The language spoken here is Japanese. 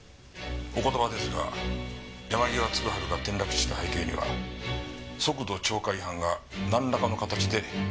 お言葉ですが山際嗣治が転落死した背景には速度超過違反がなんらかの形で関わってると考えられます。